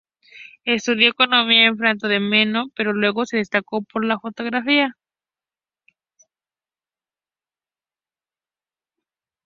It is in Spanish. Estudió Economía en Fráncfort del Meno, pero luego se decantó por la fotografía.